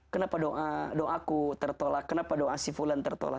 kenapa doaku tertolak kenapa doa si fulan tertolak